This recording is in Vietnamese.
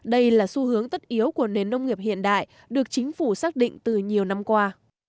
đây là xu hướng tất yếu của nền nông nghiệp hiện đại được chính phủ xác định từ nhiều năm qua